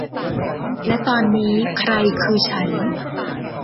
และตอนนี้ ใครคือฉัน